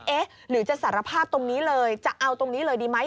เอ๊ะหรือจะสารภาพตรงนี้เลยจะเอาตรงนี้เลยดีไหม